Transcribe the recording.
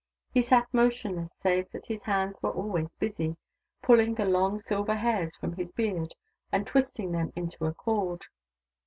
He sat motionless, save that his hands were always busy, pulling the long silver hairs from his beard and twisting them into a cord.